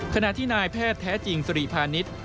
ขณะที่นายแพทย์แท้จริงสิริพาณิชย์